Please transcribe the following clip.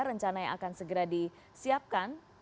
rencana yang akan segera disiapkan